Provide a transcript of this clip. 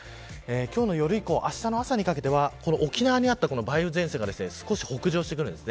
今日の夜以降あしたの朝にかけては沖縄にあった梅雨前線が少し北上してきます。